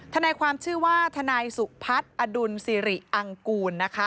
ทนายความชื่อว่าทนายสุพัฒน์อดุลสิริอังกูลนะคะ